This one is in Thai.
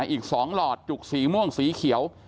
อีก๒หลอดจุกสีม่วงสีเขียว